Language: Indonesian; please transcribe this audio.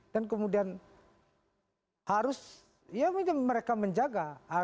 dan kemudian harus ya mungkin mereka menjaga